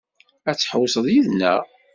Ad tḥewwseḍ yid-neɣ?